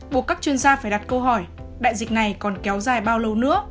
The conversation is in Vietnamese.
buộc các chuyên gia phải đặt câu hỏi đại dịch này còn kéo dài bao lâu nữa